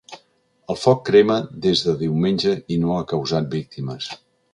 El foc crema des de diumenge i no ha causat víctimes.